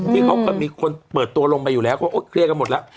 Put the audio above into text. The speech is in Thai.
ที่เค้าก็มีคนเปิดตัวลงไปอยู่แล้วเคลียร์กันหมดแล้ว